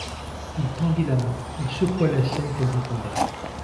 Il tendit la main, il secoua la sienne, qu’elle lui tendait.